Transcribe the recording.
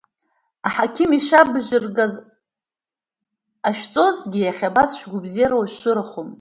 Аҳақьым ишшәабжьыргаз ҟашәҵазҭгьы иахьа абас шәгәабзиара уашәшәырахомызт.